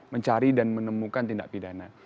mencari dan menemukan tindak pidana